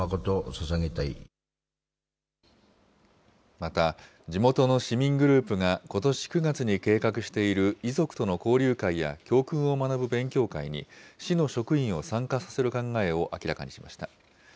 また、地元の市民グループが、ことし９月に計画している遺族との交流会や教訓を学ぶ勉強会に、市の職員を参加させる考えを明らかにしました。